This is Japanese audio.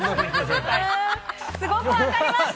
すごく分かりました。